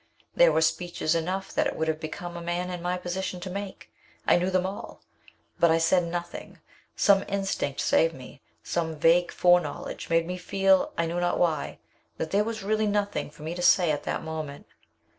There were speeches enough that it would have become a man in my position to make. I knew them all. But I said nothing. Some instinct saved me; some vague fore knowledge made me feel I knew not why that there was really nothing for me to say at that moment.